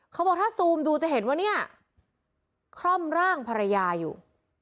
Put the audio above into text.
เขาบอกถ้าซูมดูจะเห็นว่าเนี่ยคร่อมร่างภรรยาอยู่